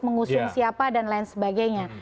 mengusung siapa dan lain sebagainya